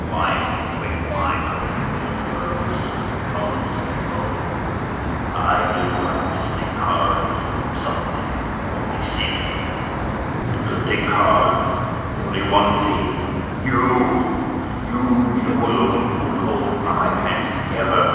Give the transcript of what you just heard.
Quiet and quick My cold gorge rose; the long sea rolled; I knew I must think hard of something, or be sick; And could think hard of only one thing YOU! You, you alone could hold my fancy ever!